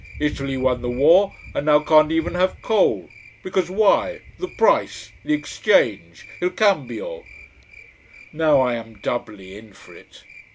Italy won the war and now can't even have coal. Because why! The price. The exchange! Il cambio. Now I am doubly in for it.